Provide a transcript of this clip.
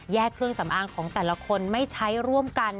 เครื่องสำอางของแต่ละคนไม่ใช้ร่วมกัน